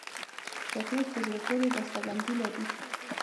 چاکلېټ په زړه پورې بسته بندي لري.